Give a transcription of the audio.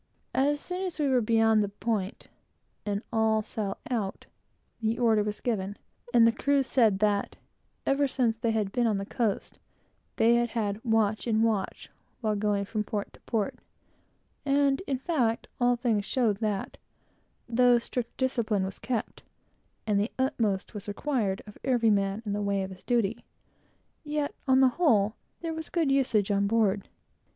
As soon as we were beyond the point, and all sail out, the order was given, "Go below the watch!" and the crew said that, ever since they had been on the coast, they had had "watch and watch," while going from port to port; and, in fact, everything showed that, though strict discipline was kept, and the utmost was required of every man, in the way of his duty, yet, on the whole, there was very good usage on board.